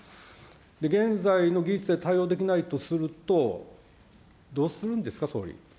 現在の技術で対応できないとすると、どうするんですか、総理。